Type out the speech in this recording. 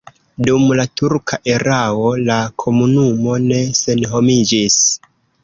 Dum la turka erao la komunumo ne senhomiĝis.